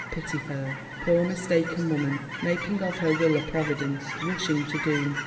Pity her! poor mistaken woman, making of her will a Providence, rushing to doom.